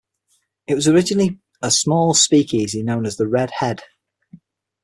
It was originally a small speakeasy known as the Red Head.